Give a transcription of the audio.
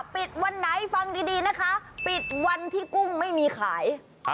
ปิดวันไหนฟังดีนะคะปิดวันที่กุ้งไม่มีขาย